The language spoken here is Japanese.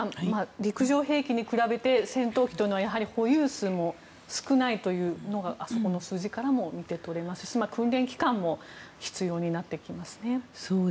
陸上兵器に比べて戦闘機というのは保有数も少ないというのがあそこの数字からも見て取れますし訓練期間も必要になってきますね。